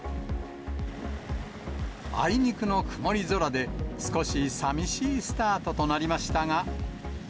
あいにくの曇り空で、少しさみしいスタートとなりましたが。